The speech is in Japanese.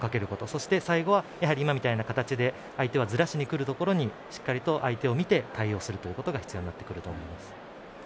そして、最後は今みたいな形で相手がずらしに来るところにしっかり相手を見て対応することが必要になると思います。